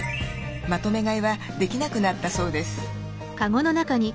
まとめ買いはできなくなったそうです。